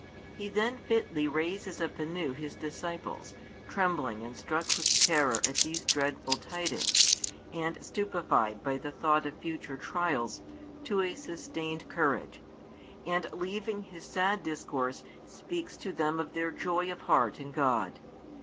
He then fitly raises up anew His disciples, trembling and struck with terror at these dreadful tidings, and stupefied by the thought of future trials, to a sustained courage; and leaving His sad discourse, speaks to them of their joy of heart in God.